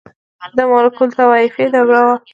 • د ملوکالطوایفي دوره وه.